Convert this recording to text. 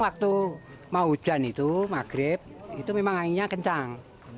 waktu mau hujan itu maghrib itu memang anginnya kencang